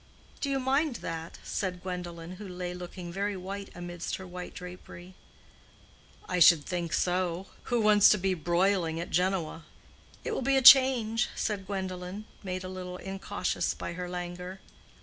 "Do you mind that?" said Gwendolen, who lay looking very white amidst her white drapery. "I should think so. Who wants to be broiling at Genoa?" "It will be a change," said Gwendolen, made a little incautious by her languor.